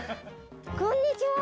こんにちは。